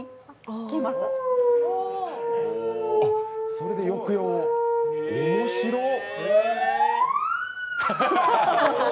それで抑揚を面白っ。